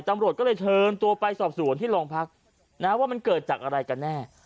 ตำรวจก็เลยเชิญตัวไปสอบสวนที่โรงพักนะว่ามันเกิดจากอะไรกันแน่